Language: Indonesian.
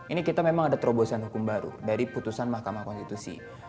ini kita memang ada terobosan hukum baru dari putusan mahkamah konstitusi